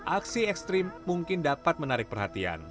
aksi ekstrim mungkin dapat menarik perhatian